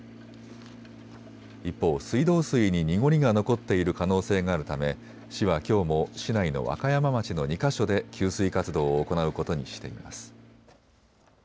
一方、水道水に濁りが残っている可能性があるため市は、きょうも市内の若山町の２か所で給水活動を行うことにしています。